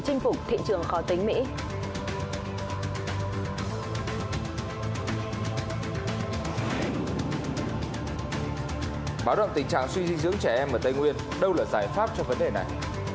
chinh phục thị trường khó tính mỹ